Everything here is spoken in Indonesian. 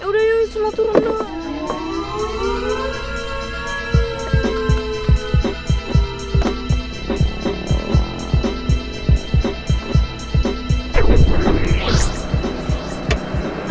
yaudah yuk semua turun dong